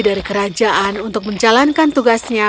dari kerajaan untuk menjalankan tugasnya